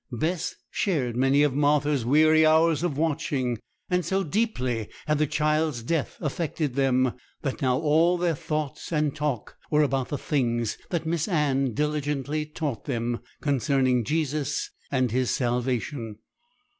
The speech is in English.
Bess shared many of Martha's weary hours of watching: and so deeply had the child's death affected them, that now all their thoughts and talk were about the things that Miss Anne diligently taught them concerning Jesus and His salvation.